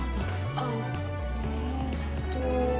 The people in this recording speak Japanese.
ああえっと。